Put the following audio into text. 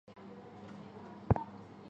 万历五年丁丑科进士。